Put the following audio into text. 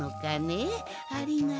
ありがとう。